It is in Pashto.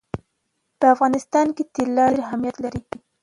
په افغانستان کې طلا ډېر اهمیت لري.